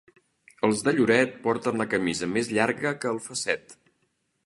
Els de Lloret porten la camisa més llarga que el fasset.